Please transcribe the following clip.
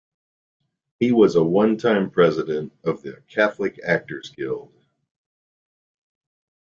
He was a one time president of the Catholic Actors Guild.